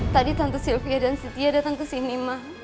tadi tante sylvia dan sitiya datang kesini ma